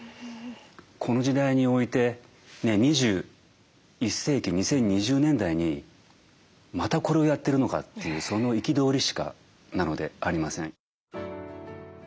この時代においてね２１世紀２０２０年代にまたこれをやってるのかっていうその憤りしかなのでありません。